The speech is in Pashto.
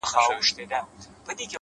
ما د ملا نه د آذان په لور قدم ايښی دی’